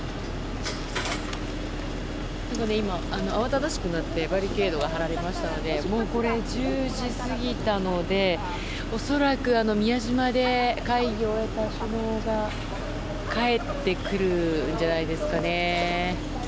慌ただしくなってバリケードが張られましたのでもう１０時過ぎたので恐らく宮島で会議を終えた首脳が帰ってくるんじゃないんですかね。